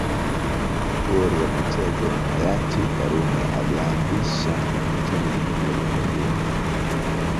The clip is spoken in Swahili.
Nguri wa michezo hayati karume alianzisha timu ya mpira wa miguu